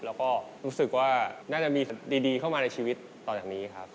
แล้วก็รู้สึกว่าน่าจะมีดีเข้ามาในชีวิตต่อจากนี้ครับ